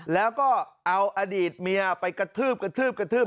แล้วก็เอาอดีตเมียไปกระทืบกระทืบกระทืบ